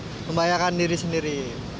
bagaimana percaya diri sendiri